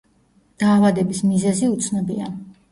დაავდების მიზეზი უცნობია.